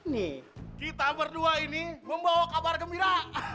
nih kita berdua ini membawa kabar gembira